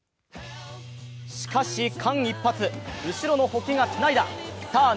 しかし、間一髪、後ろの保木がつないだ。